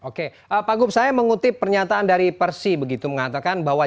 oke pak gub saya mengutip pernyataan dari persi begitu mengatakan bahwa